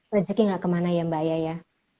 rejeki gak kemana ya mbak ya ya